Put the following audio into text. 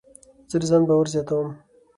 زه د ځان باور زیاتوم.